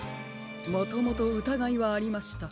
もともとうたがいはありました。